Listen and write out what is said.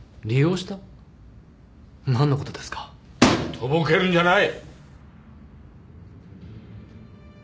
とぼけるんじゃない！